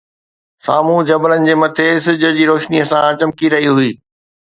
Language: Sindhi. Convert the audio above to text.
سامهون جبلن جي مٽي سج جي روشنيءَ سان چمڪي رهي هئي